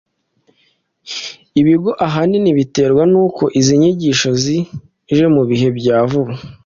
Ibi ngo ahanini biterwa n’uko izi nyigisho zije mu bihe bya vuba